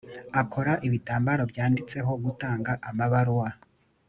akora ibitambaro byanditseho gutanga amabaruwa